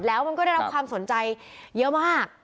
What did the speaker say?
แล้วมันก็ได้รับความสนใจเยอะมาก